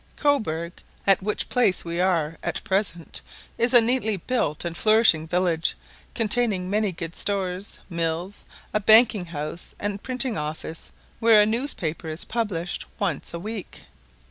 Cobourg, at which place we are at present, is a neatly built and flourishing village, containing many good stores, mills, a banking house, and printing office, where a newspaper is published once a week.